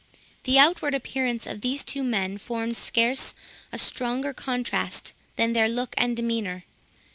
The outward appearance of these two men formed scarce a stronger contrast than their look and demeanour.